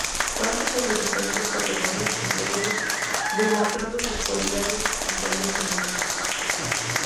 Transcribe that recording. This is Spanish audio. Pasó por las diferentes categorías inferiores demostrando sus cualidades y talento en ellas.